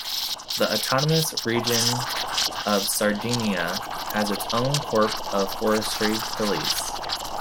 The Autonomous Region of Sardinia has its own corp of forestry police.